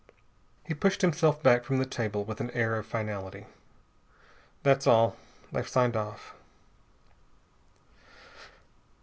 He pushed himself back from the table with an air of finality. "That's all. They've signed off."